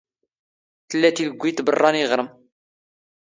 ⵜⵍⵍⴰ ⵜⵉⵍⴳⴳⵯⵉⵜ ⴱⵔⵔⴰ ⵏ ⵉⵖⵔⵎ.